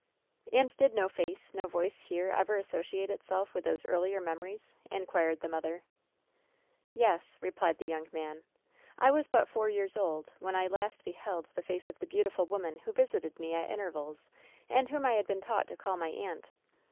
'^ "And did no face, no voice here ever associate itself with those earlier memories ?" inquired the mother. "Yes," replied the young man. "I was but four years old when I last beheld the face of the beautiful woman who visited me at intervals, and whom I had been taught to call my aunt.